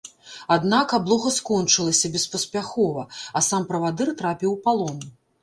Аднак аблога скончылася беспаспяхова, а сам правадыр трапіў у палон.